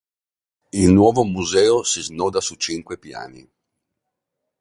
Il nuovo museo si snoda su cinque piani.